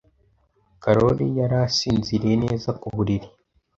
Karoli yari asinziriye neza ku buriri.